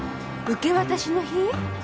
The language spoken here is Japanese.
受け渡しの日？